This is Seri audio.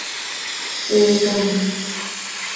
¡Pte camjc!